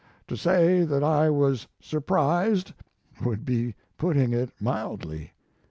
To say that I was surprised would be putting it mildly.